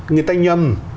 người ta nhầm